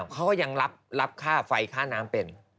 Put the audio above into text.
เขาก็ยังรับค่าไฟค่าน้ำเป็น